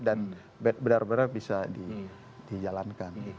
dan benar benar bisa dijalankan